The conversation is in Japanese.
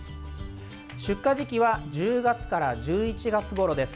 出荷時期は１０月から１１月ごろです。